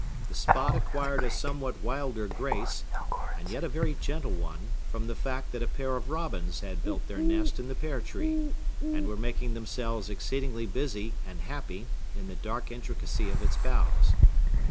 The spot acquired a somewhat wilder grace, and yet a very gentle one, from the fact that a pair of robins had built their nest in the pear tree, and were making themselves exceedingly busy and happy in the dark intricacy of its boughs.